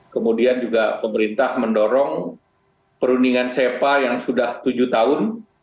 kemudian juga pemerintah mendorong perundingan sepa yang sudah tujuh tahun